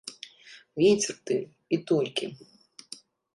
Вецер ты, і толькі.